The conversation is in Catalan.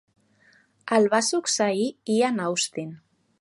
El va succeir Ian Austin.